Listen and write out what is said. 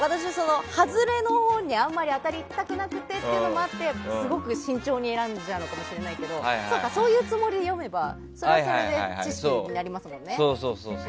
外れのほうにあまり行きたくなくてすごく慎重に選んじゃうのかもしれないけどそうか、そういうつもりで読めばそれはそれで知識になりますね。